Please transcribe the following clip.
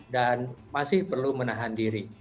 dan masih perlu menahan diri